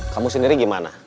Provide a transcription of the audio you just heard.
kamu sendiri gimana